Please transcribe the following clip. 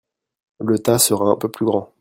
Le tas sera un peu plus grand.